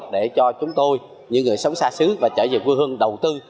để cho chúng tôi những người sống xa xứ và trở về quê hương đầu tư